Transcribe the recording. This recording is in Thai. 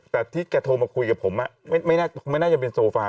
แต่ที่แกโทรมาคุยกับผมไม่น่าจะเป็นโซฟา